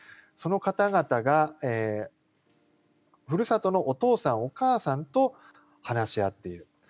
その方々がふるさとのお父さん、お母さんと話し合っている。